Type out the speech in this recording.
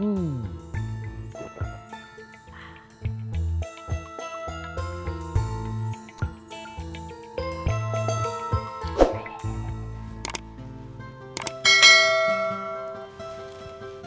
mumpung masih boleh ngopi siang